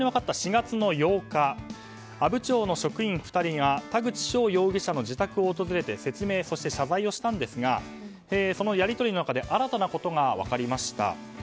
４月８日阿武町の職員２人が田口翔容疑者の自宅を訪れて説明、謝罪をしたんですがそのやり取りの中で新たなことが分かりました。